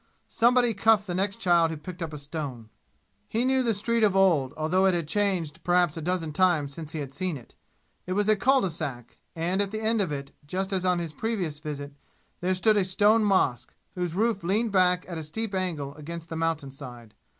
Somebody cuffed the next child who picked up a stone. He knew the street of old, although it had changed perhaps a dozen times since he had seen it. It was a cul de sac, and at the end of it, just as on his previous visit, there stood a stone mosque, whose roof leaned back at a steep angle against the mountain side.